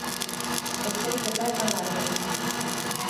E sei que faltan árbores.